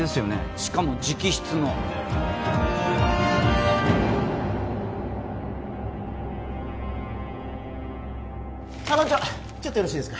しかも直筆の裁判長ちょっとよろしいですか？